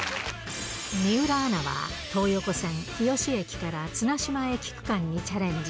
水卜アナは、東横線日吉駅から綱島駅区間にチャレンジ。